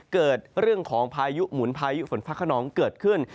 เกิดเรื่องของพายุหมุนพายุฝนฟ้าขนองเกิดขึ้น